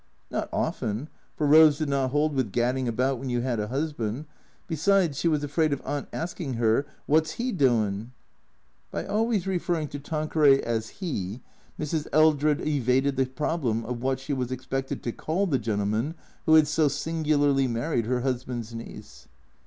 Not often ; for Rose did not hold with gad ding about when you had a husband ; besides, she was afraid of Aunt asking her, " Wot's 'E doin'? " (By always referring to Tanqueray as " 'E," Mrs. Eldred evaded the problem of what she was expected to call the gentleman who had so singularly married her husband's niece.)